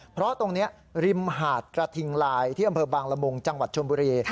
เพราะตรงนี้ริมหาดกระทิงลายที่อำเภอบางละมุงจังหวัดชมบุรี